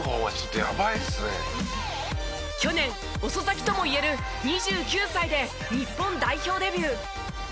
去年遅咲きともいえる２９歳で日本代表デビュー。